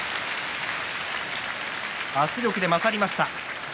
圧力で勝りました。